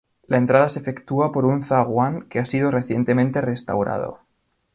La entrada se efectúa por un zaguán que ha sido recientemente restaurado.